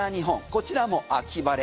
こちらも秋晴れ。